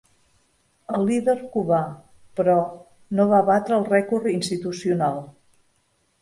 El líder cubà, però, no va batre el rècord institucional.